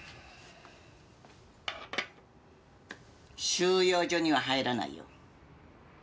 収容所には入らないよ。